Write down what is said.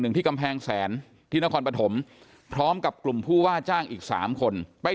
ที่กำแพงแสนที่นครปฐมพร้อมกับกลุ่มผู้ว่าจ้างอีกสามคนไป